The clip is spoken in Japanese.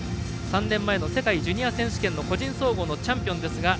３年前の世界ジュニア選手権の個人総合のチャンピオンですが。